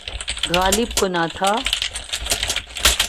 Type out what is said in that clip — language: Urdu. غالب کو نہ تھا۔